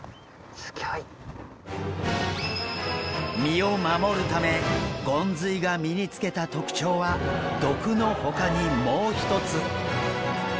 身を守るためゴンズイが身につけた特徴は毒のほかにもう一つ。